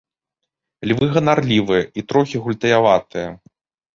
Львы ганарлівыя і трохі гультаяватыя.